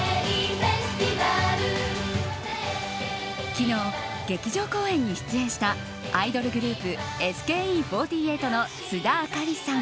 昨日、劇場公演に出演したアイドルグループＳＫＥ４８の須田亜香里さん。